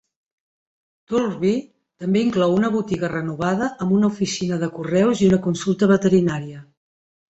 Thurlby també inclou una botiga renovada amb una oficina de correus i una consulta veterinària.